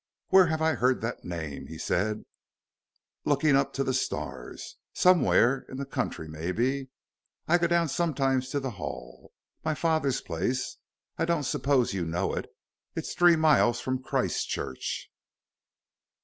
"Where have I heard that name?" he said, looking up to the stars; "somewhere in the country maybe. I go down sometimes to the Hall my father's place. I don't suppose you'd know it. It's three miles from Christchurch."